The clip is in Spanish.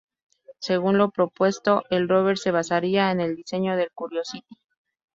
Según lo propuesto, el rover se basaría en el diseño del "Curiosity".